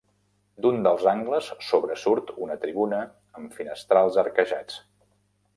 D'un dels angles sobresurt una tribuna amb finestrals arquejats.